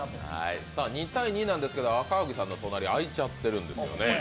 ２−２なんですけど、赤荻さんの隣、あいちゃってるんだよね。